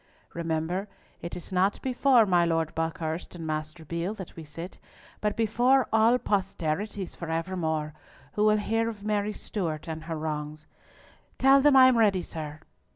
Remember, it is not before my Lord Buckhurst and Master Beale that we sit, but before all posterities for evermore, who will hear of Mary Stewart and her wrongs. Tell them I am ready, sir.